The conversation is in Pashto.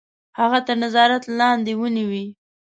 هغه تر نظارت لاندي ونیوی.